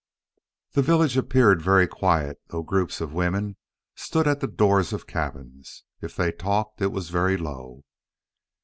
The village appeared very quiet, though groups of women stood at the doors of cabins. If they talked, it was very low.